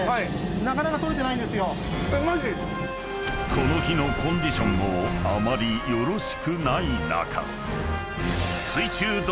［この日のコンディションもあまりよろしくない中］